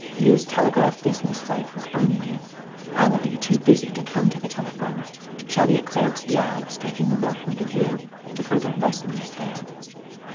Use telegraph business cipher only. I will be too busy to come to the telephone. Shall be at Cramp's yards taking a look with a view to further investments there."